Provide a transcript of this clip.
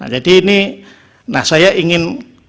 jadi ini saya ingin